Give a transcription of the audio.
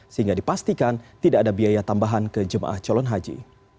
sehingga dipastikan tidak ada biaya tambahan ke jemaah calon haji